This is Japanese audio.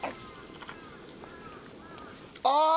ああ！